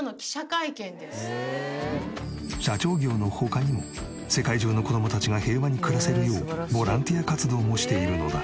社長業の他にも世界中の子どもたちが平和に暮らせるようボランティア活動もしているのだ。